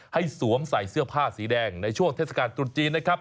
สวมใส่เสื้อผ้าสีแดงในช่วงเทศกาลตรุษจีนนะครับ